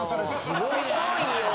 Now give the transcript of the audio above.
すごいね。